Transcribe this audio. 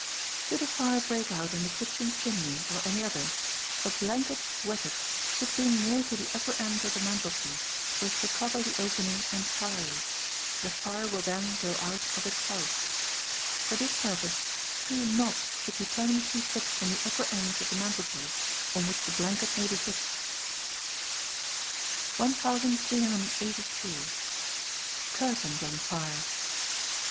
Should a Fire break out in the Kitchen Chimney, or any other, a blanket wetted should be nailed to the upper ends of the mantelpiece, so as to cover the opening entirely; the fire will then go out of itself: for this purpose two knobs should be permanently fixed in the upper ends of the mantelpiece, on which the blanket may be hitched. 1382. Curtains on Fire.